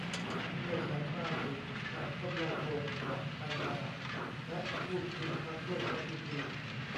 เมื่อฉันมาถึงฉันกำลังโบกหมวกไปมา และพูดพึมพำด้วยความยินดี